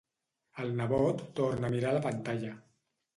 El nebot torna a mirar la pantalla.